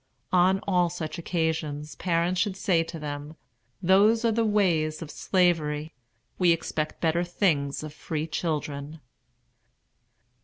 On all such occasions parents should say to them: "Those are the ways of Slavery. We expect better things of free children."